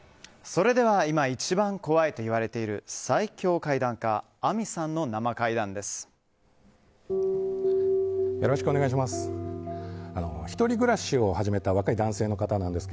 それでは今一番怖いといわれている最恐怪談家ぁみさんの生怪談です。